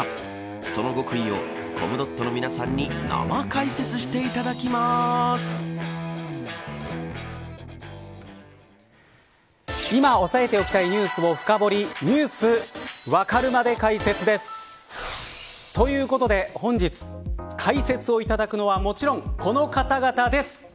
その極意をコムドットの皆さんに今押さえておきたいニュースを深掘りＮｅｗｓわかるまで解説です。ということで本日解説をいただくのはもちろんこの方々です。